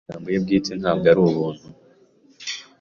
Mu magambo ye bwite "Ntabwo ari ubuntu